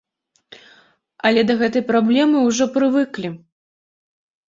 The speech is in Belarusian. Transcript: Але да гэтай праблемы ўжо прывыклі.